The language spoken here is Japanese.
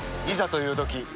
いざというとき